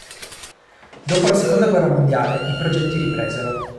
Dopo la Seconda Guerra Mondiale i progetti ripresero.